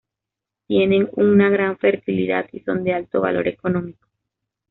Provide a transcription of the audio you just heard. Tienen una gran fertilidad y son de alto valor económico.